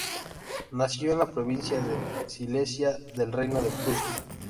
Nació en la Provincia de Silesia, del Reino de Prusia.